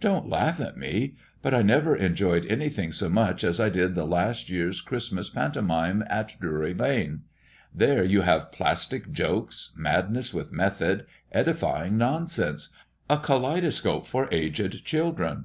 Dont laugh at me; but I never enjoyed anything so much as I did the last year's Christmas pantomime at Drury lane. There you have plastic jokes, madness with method, edifying nonsense a kaleidoscope for aged children."